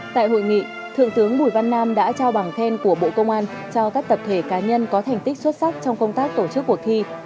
tại hội nghị thượng tướng bùi văn nam đã trao bằng khen của bộ công an cho các tập thể cá nhân có thành tích xuất sắc trong công tác tổ chức cuộc thi